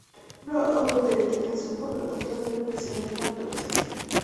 La autenticación, por lo tanto, debe preceder la autorización.